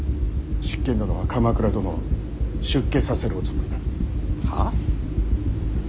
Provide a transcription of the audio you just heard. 執権殿は鎌倉殿を出家させるおつもりだ。はあ？